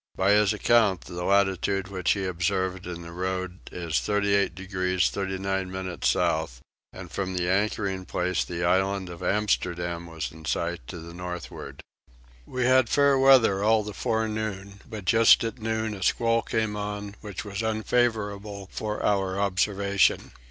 By his account the latitude which he observed in the road is 38 degrees 39 minutes south; and from the anchoring place the island of Amsterdam was in sight to the northward. We had fair weather all the forenoon, but just at noon a squall came on which was unfavourable for our observation.